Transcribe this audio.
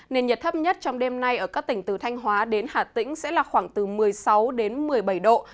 nền nhiệt thấp nhất trong đêm nay ở các tỉnh từ thanh hóa đến hà tĩnh sẽ là khoảng từ một mươi sáu đến một mươi bảy độ